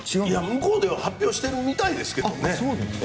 向こうでは発表しているみたいですけどね。